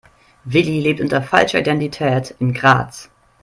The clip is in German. Willi lebt unter falscher Identität in Graz.